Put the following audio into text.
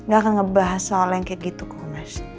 gak akan ngebahas soal yang kayak gitu kok mas